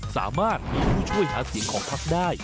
สามารถมีผู้ช่วยหาเสียงของพักได้